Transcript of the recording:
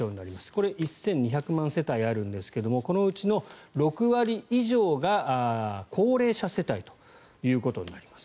これ１２００万世帯あるんですがこのうちの６割以上が高齢者世帯ということになります。